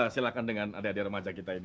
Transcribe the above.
silahkan dengan adik adik remaja kita ini